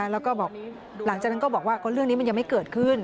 แล้วก็บอกหลังจากนั้นก็บอกว่าเรื่องนี้มันยังไม่เกิดขึ้น